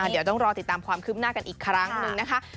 เดี๋ยวต้องรอติดตามความคืบหน้ากันอีกครั้งหนึ่งนะคะ